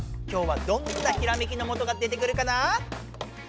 今日はどんなひらめきのもとが出てくるかな？